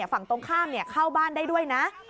ฝั่งตรงข้ามเข้าบ้านได้ด้วยนะ